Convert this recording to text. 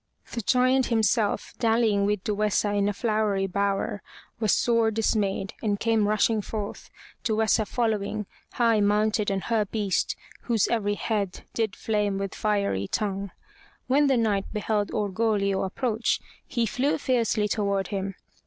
The Giant himself, dallying with Duessa in a flowery bower, was sore dismayed, and came rushing forth, Duessa following, high mounted on her beast, whose every head did flame with fiery tongue. When the Knight beheld Orgoglio approach, he flew fiercely toward him.